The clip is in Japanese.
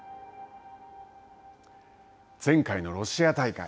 前回のロシア大会。